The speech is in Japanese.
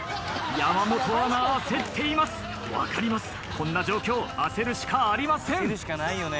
こんな状況焦るしかありません。